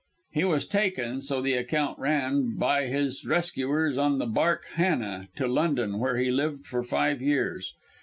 He was taken, so the account ran, by his rescuers, on the barque Hannah, to London, where he lived for five years.